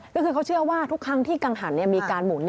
ก็คือเขาเชื่อว่าทุกครั้งที่กังหันมีการหมุน